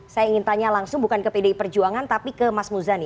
saya ingin tanya langsung bukan ke pdi perjuangan tapi ke mas muzani